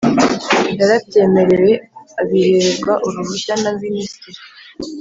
yarabyemerewe abihererwa uruhushya na Minisitiri